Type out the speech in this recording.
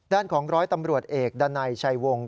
ด้านของร้อยตำรวจเอกดันัยชัยวงศ์